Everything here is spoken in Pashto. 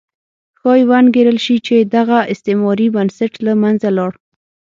ښایي وانګېرل شي چې دغه استعماري بنسټ له منځه لاړ.